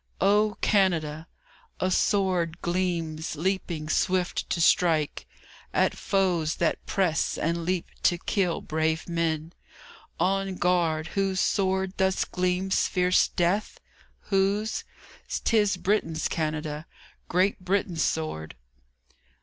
O Canada! A sword gleams, leaping swift to strike At foes that press and leap to kill brave men On guard. Whose sword thus gleams fierce death? Whose? 'Tis Britain's, Canada, Great Britain's sword.